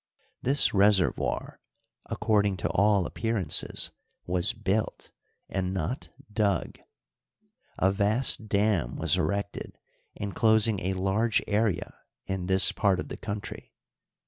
This reservoir, according to all appearances, was built and not dug, A vast dam was erected inclosing a large area in this part of the country.